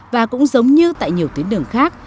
và cũng giống như tại nhiều tuyến đường khác